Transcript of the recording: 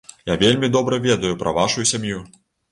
Я вельмі добра ведаю пра вашую сям'ю.